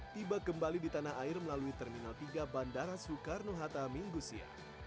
tiba kembali di tanah air melalui terminal tiga bandara soekarno hatta minggu siang